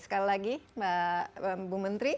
sekali lagi mbak bu menteri